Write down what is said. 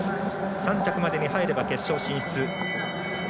３着までに入れば決勝進出。